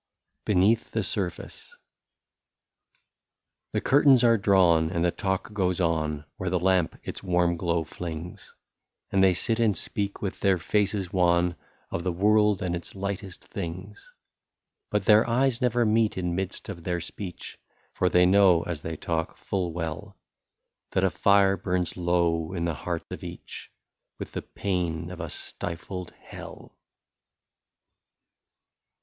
97 BENEATH THE SURFACE. The curtains are drawn and the talk goes on, Where the lamp its warm glow flings, And they sit and speak with their faces wan Of the world and its lightest things. But their eyes never meet in midst of their speech. For they know, as they talk, full well. That a fire burns low in the heart of each, With the pain of a stifled hell.